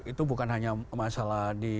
itu bukan hanya masalah di